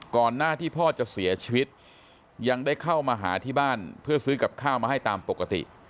ก่อนหน้าที่พ่อจะเสียชีวิตยังได้เข้ามาหาที่บ้านเพื่อซื้อกับข้าวมาให้ตามปกติ